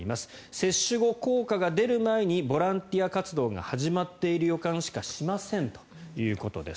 接種後、効果が出る前にボランティア活動が始まっている予感しかしませんということです。